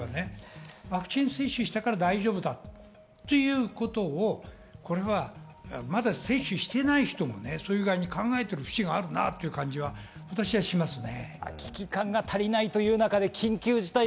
ワクチン接種したから大丈夫だということを、まだ接種してない方も、そういう具合に考えているふしがあるなと思いますね。